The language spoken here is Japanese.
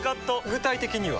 具体的には？